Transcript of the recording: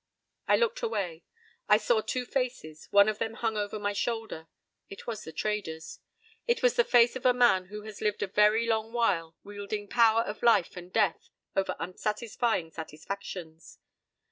p> I looked away. I saw two faces. One of them hung over my shoulder. It was the trader's. It was the face of a man who has lived a very long while wielding power of life and death over unsatisfying satisfactions.